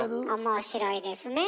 面白いですねぇ。